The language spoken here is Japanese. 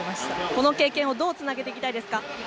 この経験をどうつなげていきたいですか？